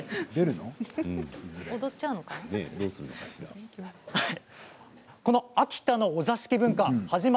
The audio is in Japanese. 踊っちゃうのかな？